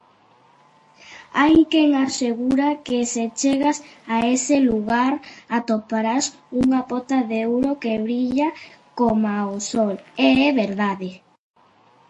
Elena está licenciada en Bellas Artes por la Universidad de Salamanca.